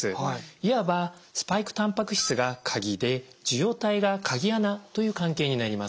いわばスパイクたんぱく質が鍵で受容体が鍵穴という関係になります。